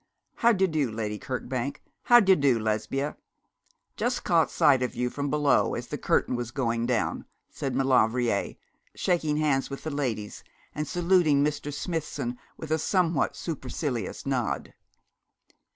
'How d'ye do, Lady Kirkbank? how d'ye do, Lesbia? Just caught sight of you from below as the curtain was going down,' said Maulevrier, shaking hands with the ladies and saluting Mr. Smithson with a somewhat supercilious nod.